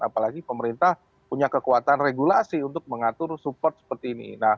apalagi pemerintah punya kekuatan regulasi untuk mengatur support seperti ini